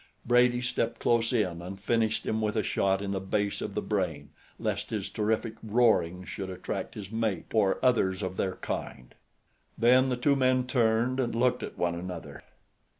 Brady stepped close in and finished him with a shot in the base of the brain lest his terrific roarings should attract his mate or others of their kind. Then the two men turned and looked at one another.